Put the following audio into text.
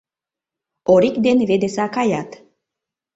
Орик ден Ведеса каят.